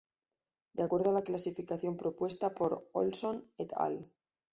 De acuerdo a la clasificación propuesta por Ohlson "et al.